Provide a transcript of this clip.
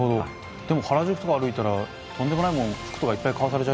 でも原宿とか歩いたらとんでもないもん服とかいっぱい買わされちゃいそうですね。